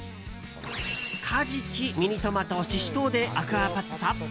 カジキ、ミニトマトししとうでアクアパッツァ？